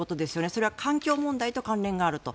それは環境問題と関連があると。